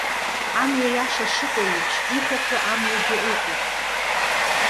Амҩа иаша шыҟоу еиԥш, ихәахәоу амҩагьы ыҟоуп.